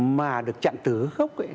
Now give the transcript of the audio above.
mà được chặn tứ gốc ấy